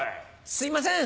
すいません！